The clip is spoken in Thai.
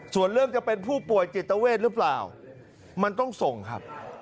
ส่วนเรื่องจะเป็นผู้ป่วยจิตเวทหรือเปล่ามันต้องส่งครับ